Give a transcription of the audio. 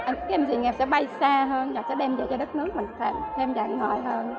các em sinh nghèo sẽ bay xa hơn và sẽ đem về cho đất nước mình thêm đàn ngồi hơn